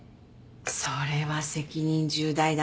それは責任重大だ。